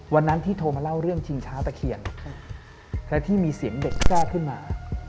วันนั้นที่โทรมาเล่าเรื่องชิงช้าตะเคียนและที่มีเสียงเด็กแทรกขึ้นมา